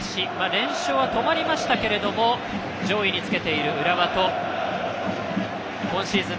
連勝は止まりましたが上位につけている浦和と今シーズン